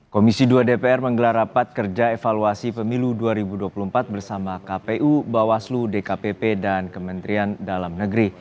komisi dua dpr menggelar rapat kerja evaluasi pemilu dua ribu dua puluh empat bersama kpu bawaslu dkpp dan kementerian dalam negeri